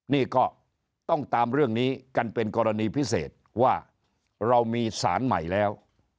นี่ก็ต้องตามเรื่องนี้กันเป็นกรณีพิเศษว่าเรามีสารใหม่แล้ว